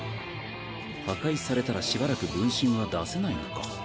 破壊されたらしばらく分身は出せないのか。